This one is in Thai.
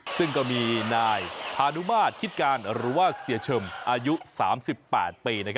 ซึ่งก็มีนายพานุมาตรคิดการหรือว่าเสียเชิมอายุ๓๘ปี